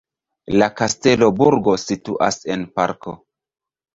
La kastelo-burgo situas en parko.